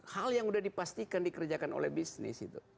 hal yang sudah dipastikan dikerjakan oleh bisnis itu